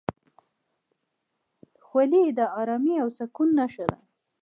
خولۍ د ارامۍ او سکون نښه ده.